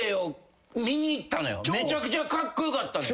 めちゃくちゃカッコ良かったのよ。